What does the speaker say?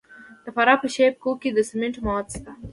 د فراه په شیب کوه کې د سمنټو مواد شته.